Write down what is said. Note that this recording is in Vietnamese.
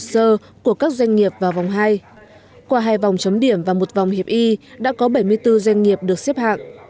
hồ sơ của các doanh nghiệp vào vòng hai qua hai vòng chấm điểm và một vòng hiệp đã có bảy mươi bốn doanh nghiệp được xếp hạng